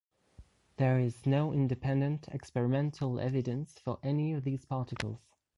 There is no independent experimental evidence for any of these particles.